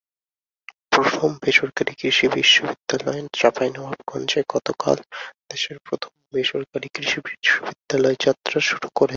প্রথম বেসরকারি কৃষি বিশ্ববিদ্যালয়চাঁপাইনবাবগঞ্জে গতকাল দেশের প্রথম বেসরকারি কৃষি বিশ্ববিদ্যালয় যাত্রা শুরু করেছে।